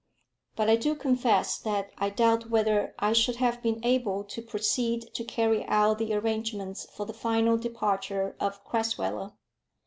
But I do confess that I doubt whether I should have been able to proceed to carry out the arrangements for the final departure of Crasweller.